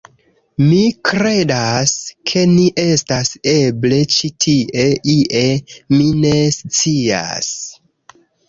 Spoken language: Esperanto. Mi kredas, ke ni estas eble ĉi tie ie... mi ne scias...